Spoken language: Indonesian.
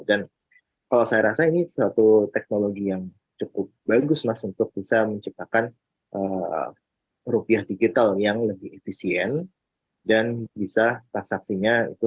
dan kalau saya rasa ini satu teknologi yang cukup bagus untuk bisa menciptakan rupiah digital yang lebih efisien dan bisa transaksinya itu dua puluh empat jam gitu kan